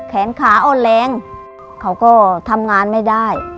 แขนขาอ่อนแรงเขาก็ทำงานไม่ได้